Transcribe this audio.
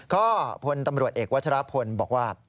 ก็พลตำรวจเอกวัชรพลบอกว่า